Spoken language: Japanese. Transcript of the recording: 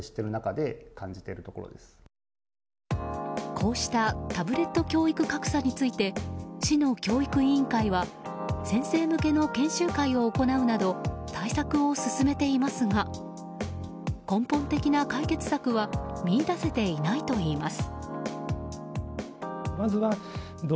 こうしたタブレット教育格差について市の教育委員会は先生向けの研修会を行うなど対策を進めていますが根本的な解決策は見いだせていないといいます。